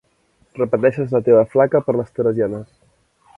Repeteixes la teva flaca per les teresianes.